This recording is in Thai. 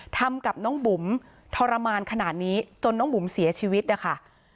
ทำกับน้องบุ๋มทรมานขนาดนี้จนน้องบุ๋มเสียชีวิตนะคะ